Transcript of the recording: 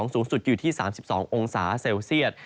สูงสุดอยู่ที่๓๒องศาเซลเซียต